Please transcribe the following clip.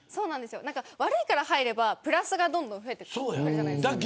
悪いから入ればプラスが増えるじゃないですか。